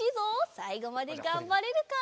さいごまでがんばれるか？